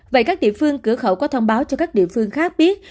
vậy các địa phương cửa khẩu có thông báo cho các địa phương khác biết